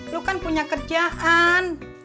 lu kan punya kerjaan